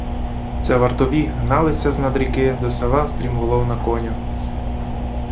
Це вартові гналися з-над ріки до села стрімголов на конях.